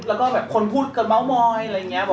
แล้วก็แบบคนพูดกันเม้ามอยอะไรอย่างนี้